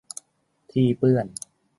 ที่เปื้อน